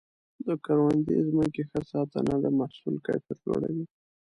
د کروندې ځمکې ښه ساتنه د محصول کیفیت لوړوي.